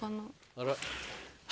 あら？